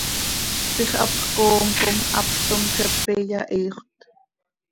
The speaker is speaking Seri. Ziix hapx coom com hapx toom, xepe iyahiixöt.